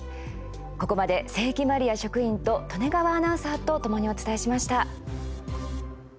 ここまで、清木まりあ職員と利根川アナウンサーとともにお伝えしました。